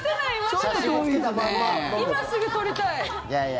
今すぐ取りたい。